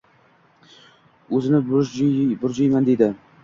— Uzini burjuyman, dedi.